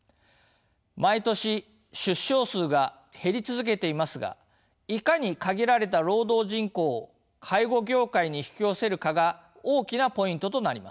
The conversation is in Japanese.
毎年出生数が減り続けていますがいかに限られた労働人口を介護業界に引き寄せるかが大きなポイントとなります。